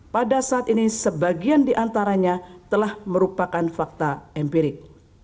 pada saat ini sebagian diantaranya telah merupakan fakta empirik